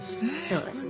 そうですね。